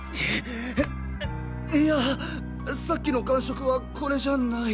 いやさっきの感触はこれじゃない。